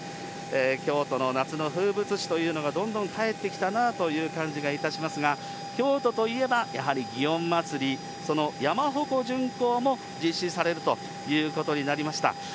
京都の夏の風物詩というのが、どんどん帰ってきたなという感じがいたしますが、京都といえば、やはり祇園祭、その山鉾巡行も実施されるということになりました。